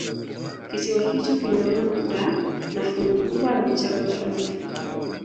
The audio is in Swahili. kisiwa hicho kimeunda na fungu kubwa la mchanga mfano wa fukwe